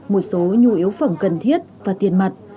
một số nhu yếu phẩm cần thiết và tiền mặt